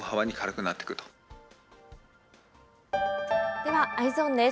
では、Ｅｙｅｓｏｎです。